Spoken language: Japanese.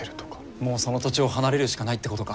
もうその土地を離れるしかないってことか。